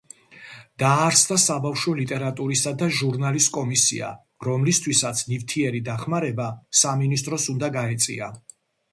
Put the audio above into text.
დაარსდა საბავშვო ლიტერატურისა და ჟურნალის კომისია, რომლისთვისაც ნივთიერი დახმარება სამინისტროს უნდა გაეწია.